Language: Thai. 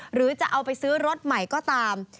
หรือจะเอาไปซื้อรถใหม่ก็ตาม